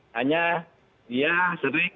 hanya dia sering